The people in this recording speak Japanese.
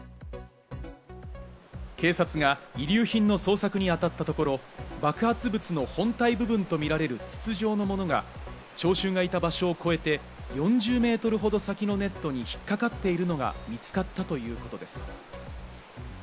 警察が遺留品の捜索に当たったところ、爆発物の本体部分とみられる筒状のものが聴衆がいた場所を越えて、４０メートルほど先のネットに引っかかっているのが見つかったということです。